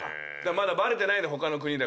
まだバレてないんで他の国で。